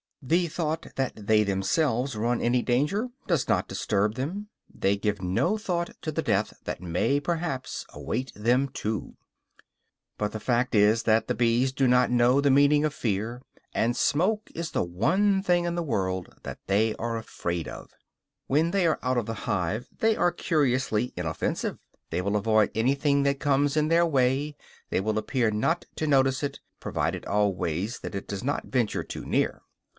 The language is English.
The thought that they themselves run any danger does not disturb them; they give no thought to the death that may perhaps await them too. But the fact is that the bees do not know the meaning of fear, and smoke is the one thing in the world that they are afraid of. When they are out of the hive, they are curiously inoffensive. They will avoid anything that comes in their way, they will appear not to notice it, provided always that it does not venture too near.